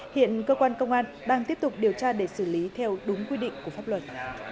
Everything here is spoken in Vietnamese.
hiện cơ quan công an đang tiếp tục điều tra để xử lý theo đúng quy định của pháp luật